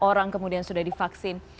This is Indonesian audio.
orang kemudian sudah divaksin